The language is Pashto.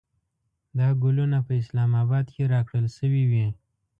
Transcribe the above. دا ګلونه په اسلام اباد کې راکړل شوې وې.